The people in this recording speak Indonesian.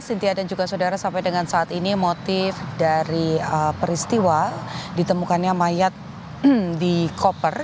sintia dan juga saudara sampai dengan saat ini motif dari peristiwa ditemukannya mayat di koper